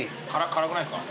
辛くないですか？